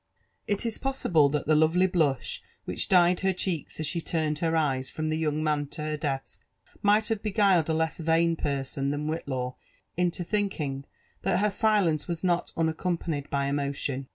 Itispoadble that ihe Uvely bluah which dyed her cheeks asahe iiiroed her ey«B from the young nan to her desk, might have beguiled a less vain person than Whklaw imU) ihifriiing that her silence was not unaecompafiied t>y emotion.